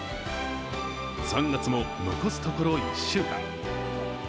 ３月も残すところ１週間。